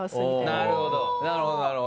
なるほどなるほど。